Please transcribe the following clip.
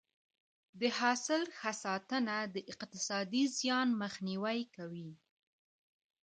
د حاصل ښه ساتنه د اقتصادي زیان مخنیوی کوي.